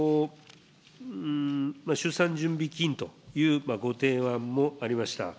出産準備金というご提案もありました。